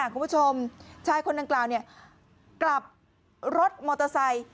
คุณผู้ชมชายคนดังกล่าวกลับรถมอเตอร์ไซค์